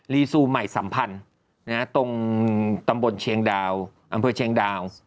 ซูใหม่สัมพันธ์ตรงตำบลเชียงดาวอำเภอเชียงดาว